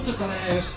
よし。